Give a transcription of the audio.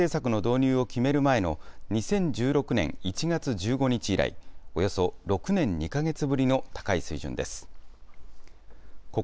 これは日銀がマイナス金利政策の導入を決める前の２０１６年１月１５日以来、およそ６年２か月ぶりの高い水準です。